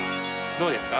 どうですか？